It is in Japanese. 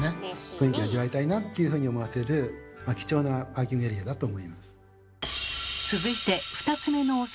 雰囲気味わいたいなっていうふうに思わせる貴重なパーキングエリアだと思います。